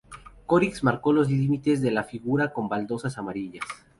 Croix marcó los límites de la figura con baldosas amarillas.